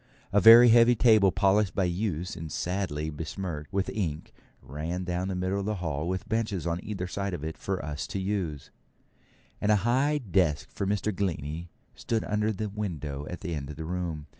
A very heavy table, polished by use, and sadly besmirched with ink, ran down the middle of the hall with benches on either side of it for us to use; and a high desk for Mr. Glennie stood under the window at the end of the room.